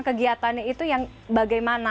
kegiatannya itu yang bagaimana